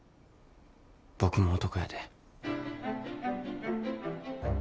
僕も男やで。